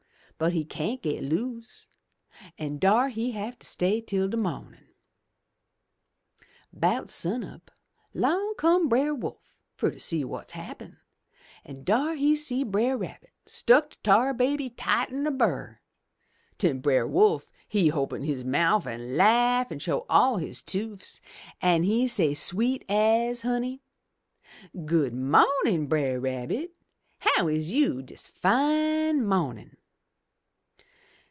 But he cyan't get loose, an' dar he have to stay till de mawnin'. *Bout sun up 'long come Brer Wolf fur to see wot's happen, an' dar he see Brer Rabbit stuck to Tar Baby tighter'n a burr. Den Brer Wolf he open his mouf an' laugh an' show all his toofs, an' he say, sweet as honey, 'Good mawnin' Brer Rabbit. How is you dis fine mawnin'?'